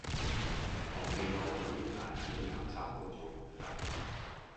同未來老爺奶奶旅行慘過做奴隸